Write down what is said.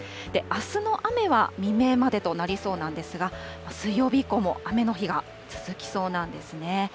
あすの雨は未明までとなりそうなんですが、水曜日以降も雨の日が続きそうなんですね。